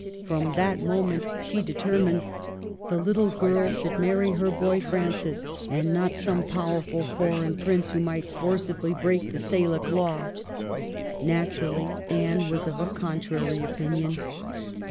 From that moment she determined the little girl should marry her boy Francis, and not some powerful foreign prince who might forcibly break the Salic law. Naturally Anne was of a contrary opinion.